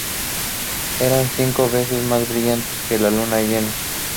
Era cinco veces más brillante que la luna llena.